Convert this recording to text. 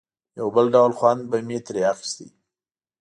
یو بل ډول خوند به مې ترې اخیسته.